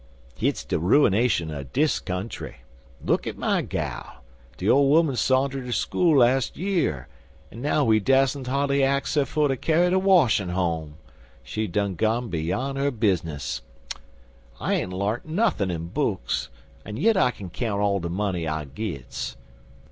"Hit's de ruinashun er dis country. Look at my gal. De ole 'oman sont 'er ter school las' year, an' now we dassent hardly ax 'er fer ter kyar de washin' home. She done got beyant 'er bizness. I ain't larnt nuthin' in books, 'en yit I kin count all de money I gits.